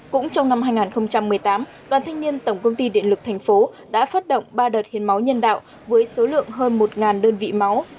cũng trong năm hai nghìn một mươi tám đoàn thanh niên tổng công ty điện lực thành phố đã phát động ba đợt hiến máu nhân đạo với số lượng hơn một đơn vị máu